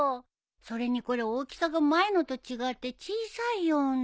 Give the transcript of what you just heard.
それにこれ大きさが前のと違って小さいような。